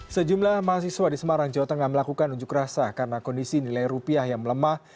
sejumlah mahasiswa di semarang jawa tengah melakukan unjuk rasa karena kondisi nilai rupiah yang melemah